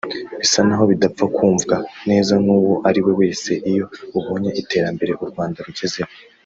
bisa n’aho bidapfa kumvwa neza n’uwo ari we wese iyo abonye iterambere u Rwanda rugezeho